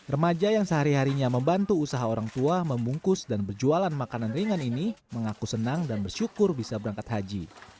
remaja yang sehari harinya membantu usaha orang tua membungkus dan berjualan makanan ringan ini mengaku senang dan bersyukur bisa berangkat haji